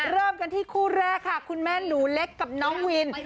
เริ่มกันที่คู่แรกค่ะคุณแม่หนูเล็กกับน้องวิน